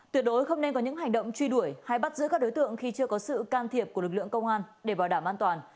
tuyệt đối không nên có những hành động truy đuổi hay bắt giữ các đối tượng khi chưa có sự can thiệp của lực lượng công an để bảo đảm an toàn